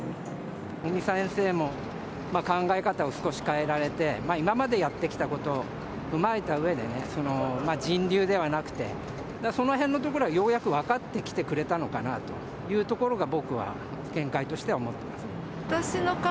尾身先生も考え方を少し変えられて、今までやって来たことを踏まえたうえでね、人流ではなくて、そのへんのところはようやく分かってきてくれたのかなというところが、僕は見解としては持っていますね。